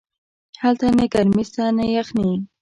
هلته نه گرمي سته نه يخني.